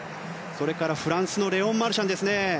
それからフランスのレオン・マルシャン。